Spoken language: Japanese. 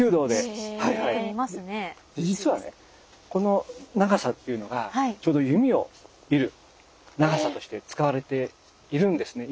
実はねこの長さっていうのがちょうど弓を射る長さとして使われているんですね